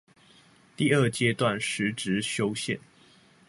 第二階段實質修憲